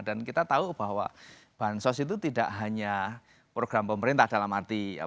dan kita tahu bahwa bansos itu tidak hanya program pemerintah dalam arti